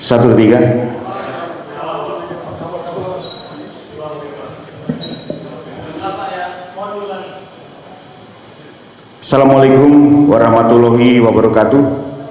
assalamualaikum warahmatullahi wabarakatuh